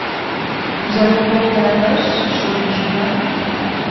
Nous allons donc à la noce, joli jeune homme ?…